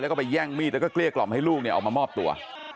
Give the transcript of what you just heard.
แล้วก็ไปแย่งมีดแล้วก็เกลี้ยกล่อมให้ลูกเนี่ยออกมามอบตัว